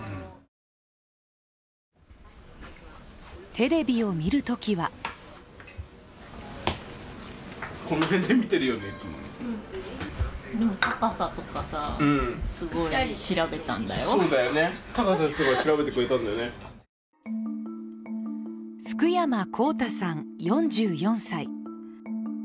テレビを見るときは福山耕太さん、４４歳。